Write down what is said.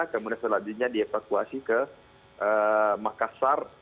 kemudian selanjutnya dievakuasi ke makassar